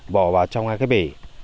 bỏ vào trong hai cái bể